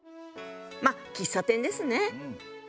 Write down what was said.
まあ喫茶店ですね。